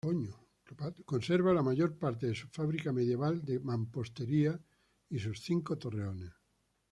Conserva la mayor parte de su fábrica medieval de mampostería y sus cinco torreones.